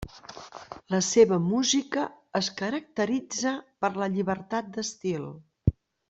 La seva música es caracteritza per la llibertat d'estil.